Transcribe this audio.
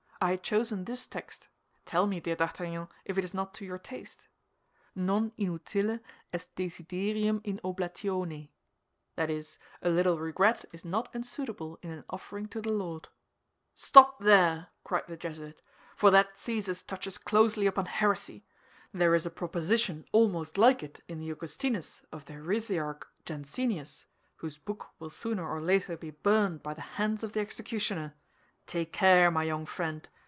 I had chosen this text—tell me, dear D'Artagnan, if it is not to your taste—'Non inutile est desiderium in oblatione'; that is, 'A little regret is not unsuitable in an offering to the Lord.'" "Stop there!" cried the Jesuit, "for that thesis touches closely upon heresy. There is a proposition almost like it in the Augustinus of the heresiarch Jansenius, whose book will sooner or later be burned by the hands of the executioner. Take care, my young friend.